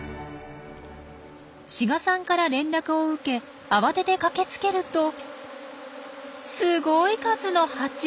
志賀さんから連絡を受け慌てて駆けつけるとすごい数のハチ！